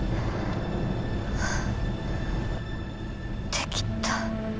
できた。